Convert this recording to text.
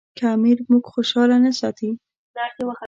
که امیر موږ خوشاله نه ساتي.